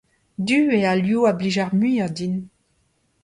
Du eo al liv a blij ar muiañ din.